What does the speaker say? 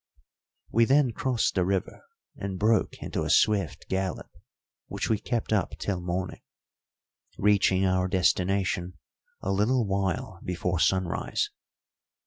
We then crossed the river and broke into a swift gallop, which we kept up till morning, reaching our destination a little while before sunrise.